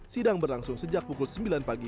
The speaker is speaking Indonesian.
sidang berlangsung sejak pukul sembilan pagi